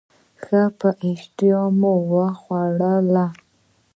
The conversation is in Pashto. ښه په اشتهامو وخوړله.